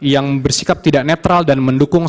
yang bersikap tidak netral dan mendukung